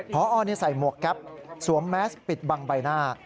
พอใส่หมวกแก๊ปสวมแมสปิดบังใบหน้า